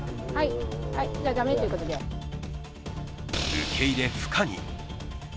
受け入れ不可に。